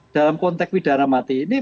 dalam konteks pidana mati ini